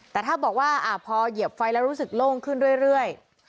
แต่ถ้าบอกว่าพอเหยียบไฟแล้วรู้สึกโล่งขึ้นเรื่อย